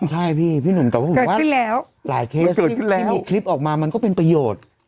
ใช่พี่พี่หนุนตอบว่าเกิดขึ้นแล้วหลายเคสที่มีคลิปออกมามันก็เป็นประโยชน์